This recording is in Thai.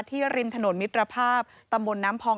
ริมถนนมิตรภาพตำบลน้ำพอง